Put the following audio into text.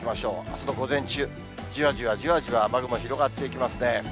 あすの午前中、じわじわじわじわ雨雲広がっていきますね。